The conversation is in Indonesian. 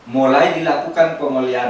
mulai dilakukan pemulihan